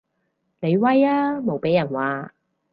你威啊無被人話